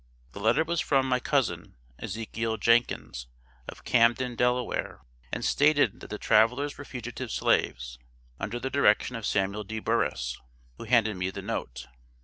The letter was from my cousin, Ezekiel Jenkins, of Camden, Delaware, and stated that the travelers were fugitive slaves, under the direction of Samuel D. Burris (who handed me the note).